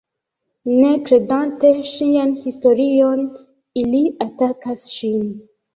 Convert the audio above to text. Ne kredante ŝian historion, ili atakas ŝin.